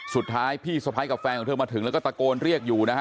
สุดท้ายพี่สะพ้ายกับแฟนของเธอมาถึงแล้วก็ตะโกนเรียกอยู่นะฮะ